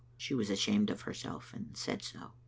She was ashamed of her self, and said so.